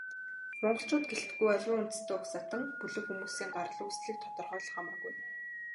Монголчууд гэлтгүй, аливаа үндэстэн угсаатан, бүлэг хүмүүсийн гарал үүслийг тодорхойлох амаргүй.